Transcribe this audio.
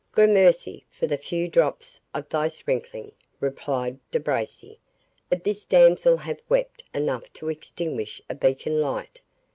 "Gramercy for the few drops of thy sprinkling," replied De Bracy; "but this damsel hath wept enough to extinguish a beacon light.